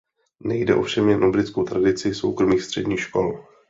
Nejde ovšem jen o Britskou tradici soukromých středních škol.